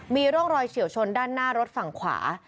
มีร่องรอยเฉียวชนด้านหน้ารถฝั่งขวา